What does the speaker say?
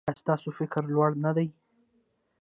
ایا ستاسو فکر لوړ نه دی؟